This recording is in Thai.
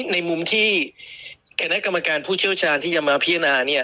ในมุมที่คณะกรรมการผู้เชี่ยวชาญที่จะมาพิจารณาเนี่ย